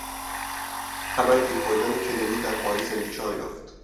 خبر تیر خوردن کندی در پاریس انتشار یافت.